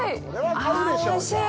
ああ、おいしい。